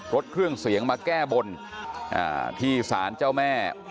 รถเครื่องเสียงมาแก้บนที่สารเจ้าแม่